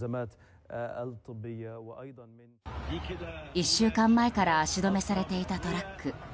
１週間前から足止めされていたトラック。